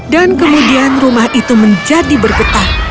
kemudian rumah itu menjadi bergetar